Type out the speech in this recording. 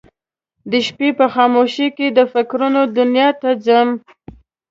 د شپې په خاموشۍ کې د فکرونه دنیا ته ځم